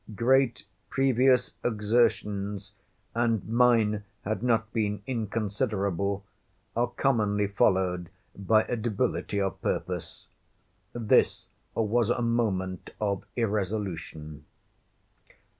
Great previous exertions—and mine had not been inconsiderable—are commonly followed by a debility of purpose. This was a moment of irresolution.